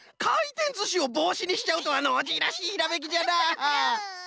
かいてんずしをぼうしにしちゃうとはノージーらしいひらめきじゃな！